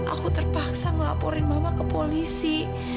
aku terpaksa melaporin mama ke polisi